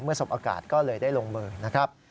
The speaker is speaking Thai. เมื่อสบอากาศก็เลยได้ลงมือนะครับ